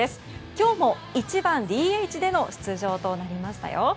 今日も１番ＤＨでの出場となりましたよ。